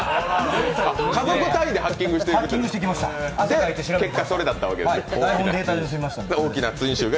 家族単位でハッキングして、結果、それだったわけですね。